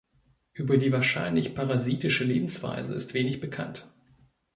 Über die wahrscheinlich parasitische Lebensweise ist wenig bekannt.